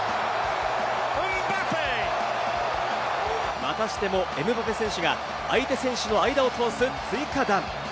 またしてもエムバペ選手が相手選手の間を通す追加弾。